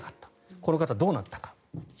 この方、どうなったか。